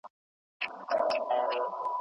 سياستپوهنه به تل د قدرت په اړه بحث کوي.